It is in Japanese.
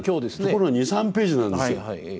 そこの２３ページなんですよ。